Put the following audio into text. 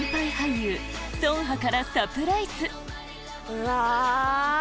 うわ！